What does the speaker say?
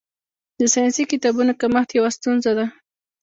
د ساینسي کتابونو کمښت یوه ستونزه ده.